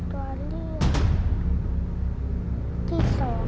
ตัวเลือกที่๒